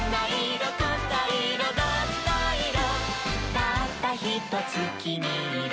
「たったひとつきみイロ」